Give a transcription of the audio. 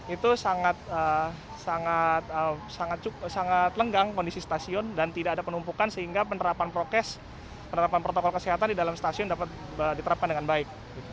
itu sangat lenggang kondisi stasiun dan tidak ada penumpukan sehingga penerapan protokol kesehatan di dalam stasiun dapat diterapkan dengan baik